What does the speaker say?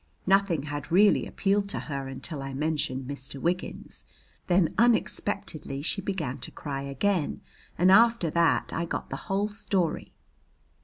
Nothing had really appealed to her until I mentioned Mr. Wiggins. Then unexpectedly she began to cry again. And after that I got the whole story.